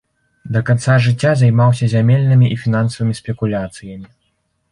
Да канца жыцця займаўся зямельнымі і фінансавымі спекуляцыямі.